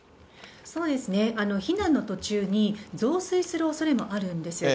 そうですね、避難の途中に、増水するおそれもあるんですよ。